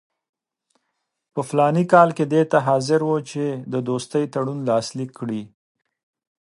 په فلاني کال کې دې ته حاضر وو چې د دوستۍ تړون لاسلیک کړي.